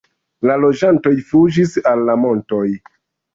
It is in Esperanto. La loĝantoj fuĝis al la montoj.